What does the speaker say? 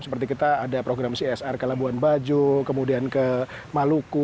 seperti kita ada program csr ke labuan bajo kemudian ke maluku